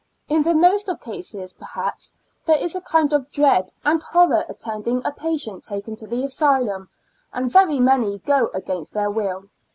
In the most of cases, perhaps, there is a kind of dread and horror attend ing a patient taken to the asylum, and very many go against their will.